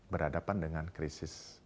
berhadapan dengan krisis